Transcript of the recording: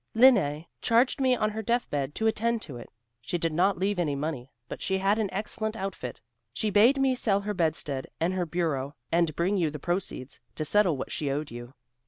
Lene charged me on her death bed to attend to it. She did not leave any money, but she had an excellent outfit. She bade me sell her bedstead and her bureau, and bring you the proceeds, to settle what she owed you.